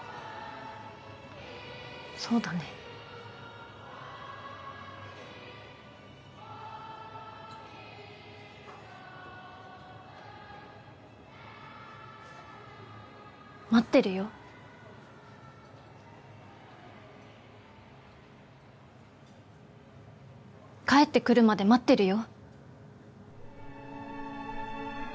そうだね待ってるよ帰ってくるまで待ってるよ